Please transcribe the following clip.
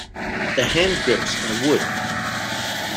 The handgrips are wood.